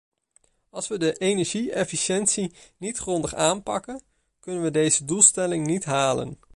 Als we de energie-efficiëntie niet grondig aanpakken, kunnen we deze doelstellingen niet halen.